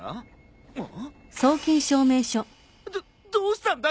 どっどうしたんだ？